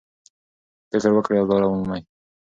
فکر وکړئ او لاره ومومئ.